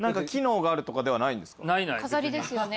飾りですよね